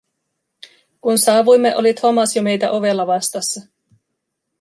Kun saavuimme, oli Thomas jo meitä ovella vastassa.